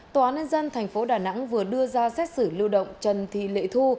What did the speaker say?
tòa án nhân dân thành phố đà nẵng vừa đưa ra xét xử lưu động trần thị lệ thu